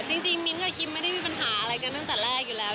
จริงมิ๊นท์กับคลิปไม่ได้มีปัญหากันตั้งแต่แรกอยู่แล้ว